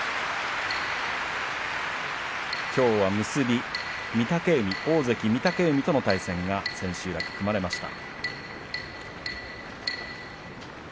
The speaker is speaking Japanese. きょうは、結び大関御嶽海との対戦が千秋楽組まれました。